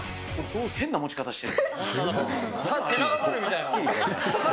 変な持ち方してる。